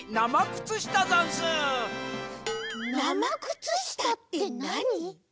なまくつしたってなに？